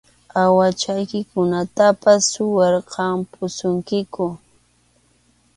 Awuhachaykitawanpas suwarqapusunkiku.